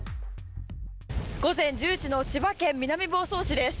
午前１０時の千葉県南房総市です。